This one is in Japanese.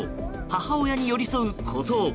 母親に寄り添う子ゾウ